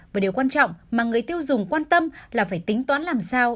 và điều quan trọng mà người tiêu dùng quan tâm là phải tính toán làm sao